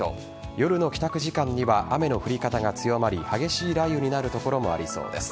夜の帰宅時間には雨の降り方が強まり激しい雷雨になる所もありそうです。